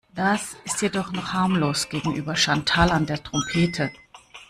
Das ist jedoch noch harmlos gegenüber Chantal an der Trompete.